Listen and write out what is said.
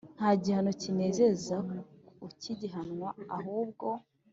Nta gihano kinezeza ukigihanwa ahubwo